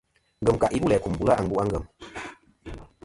Ngem ka i bu læ kum bula àmbu' a ngèm.